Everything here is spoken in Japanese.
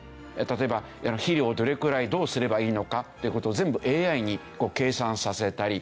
例えば肥料をどれくらいどうすればいいのかという事を全部ＡＩに計算させたり。